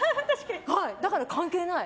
だから関係ない。